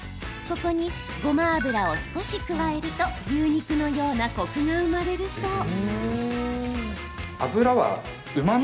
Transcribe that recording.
ここにごま油を少し加えると牛肉のようなコクが生まれるそう。